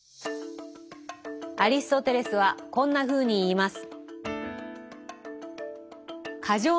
アリストテレスはこんなふうに言います。